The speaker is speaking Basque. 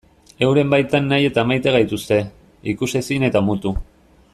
Euren baitan nahi eta maite gaituzte, ikusezin eta mutu.